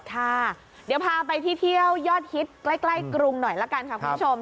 ค่ะเดี๋ยวพาไปที่เที่ยวยอดฮิตใกล้กรุงหน่อยละกันค่ะคุณผู้ชม